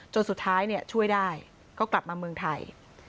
จนสุดท้ายช่วยได้ก็กลับมาเมืองไทย